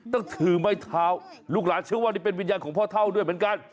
ต้องถือไม้เท้าลูกหลานเชื่อว่านี่เป็นวิญญาณของพ่อเท่าด้วยเหมือนกัน